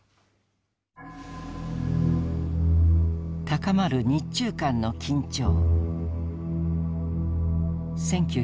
高まる日中間の緊張。